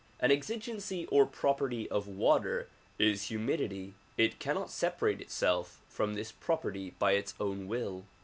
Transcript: An exigency or property of water is humidity ; it cannot separate itself from this property by its own will.